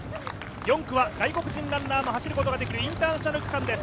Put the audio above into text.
４区は外国人ランナーが走ることができるインターナショナル区間です。